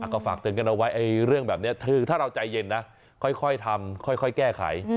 ก็ฝากเตือนกันเอาไว้เรื่องแบบนี้คือถ้าเราใจเย็นนะค่อยทำค่อยแก้ไข